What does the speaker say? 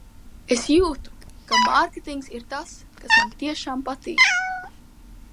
Es jūtu, ka mārketings ir tas, kas man tiešām patīk.